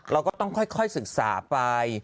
เราก็ต้องค่อยศึกษาไป